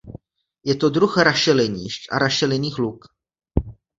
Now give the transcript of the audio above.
Je to druh rašelinišť a rašelinných luk.